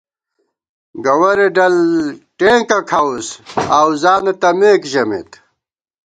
گوَرے ڈل ٹېنکہ کھاؤس آؤزانہ تمېک ژَمېت